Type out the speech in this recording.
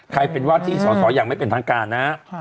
ใครเป็นว่าที่สอสอยังไม่เป็นทางการนะฮะ